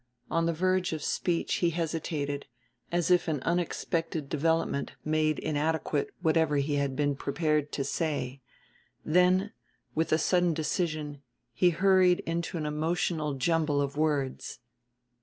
On the verge of speech he hesitated, as if an unexpected development made inadequate whatever he had been prepared to say; then, with a sudden decision, he hurried into an emotional jumble of words.